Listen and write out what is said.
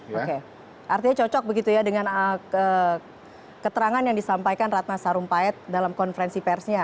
oke artinya cocok begitu ya dengan keterangan yang disampaikan ratna sarumpait dalam konferensi persnya